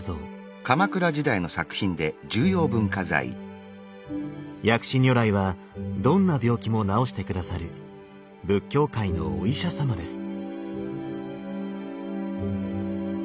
ご本尊薬師如来はどんな病気も治して下さる仏教界のお医者様です。